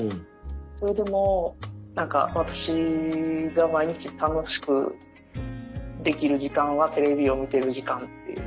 それでも私が毎日楽しくできる時間はテレビを見てる時間っていう。